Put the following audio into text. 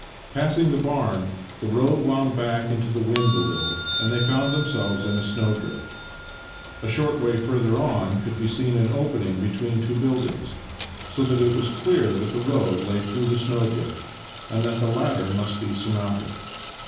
Passing the barn, the road wound back into the wind a Uttle, and they found themselves in a snowdrift. A short way further on could be seen an opening between two buildings, so that it was clear that the road lay through the snowdrift, and that the latter must be surmounted.